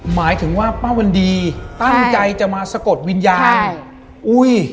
หมายถึงว่าป้าวันดีตั้งใจจะมาสะกดวิญญาณอุ้ย